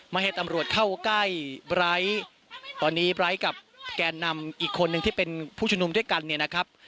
ไม่ให้ตำรวจเข้าใกล้ตอนนี้ไบร์ทกับแกนนำอีกคนนึงที่เป็นผู้ชุมนุมด้วยกันเนี่ยนะครับ